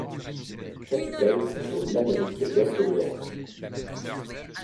Capitol contrôle l'Amérique et l'Ouest de l'Europe.